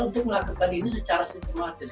untuk melakukan ini secara sistematis